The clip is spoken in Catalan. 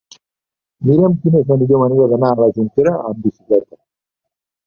Mira'm quina és la millor manera d'anar a la Jonquera amb bicicleta.